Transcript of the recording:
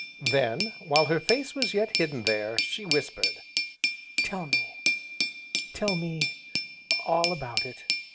Then, while her face was yet hidden there, she whispered: "Tell me tell me all about it."